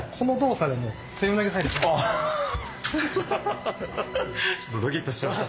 このままちょっとドキッとしました。